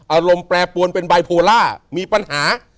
อารมณ์แปรปวนเป็นบายโพล่ามีปัญหา